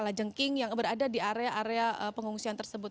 adalah jengking yang berada di area area pengungsian tersebut